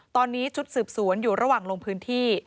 ตอนนี้ชุดสืบสวนอยู่ระหว่างลงพื้นที่